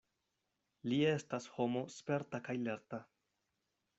Li estas homo sperta kaj lerta.